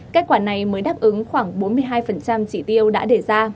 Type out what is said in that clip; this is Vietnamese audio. kết quả này mới đáp ứng khoảng bốn mươi hai trị tiêu đã để ra